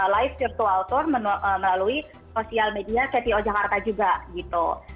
live virtual tour melalui sosial media cto jakarta juga gitu